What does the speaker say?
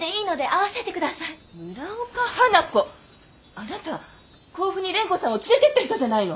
あなた甲府に蓮子さんを連れてった人じゃないの。